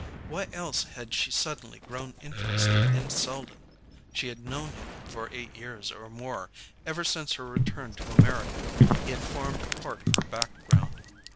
Why else had she suddenly grown interested in Selden? She had known him for eight years or more: ever since her return to America he had formed a part of her background.